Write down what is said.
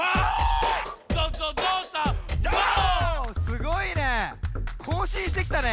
すごいね！